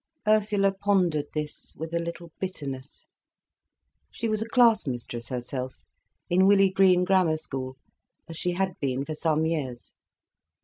Ursula pondered this, with a little bitterness. She was a class mistress herself, in Willey Green Grammar School, as she had been for some years.